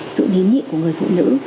sự nín nhị của người phụ nữ